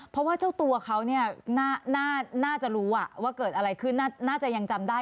เพราะว่าเจ้าตัวเขาเนี่ยน่าจะรู้ว่าเกิดอะไรขึ้นน่าจะยังจำได้